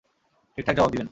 ঠিকঠাক জবাব দিবেন।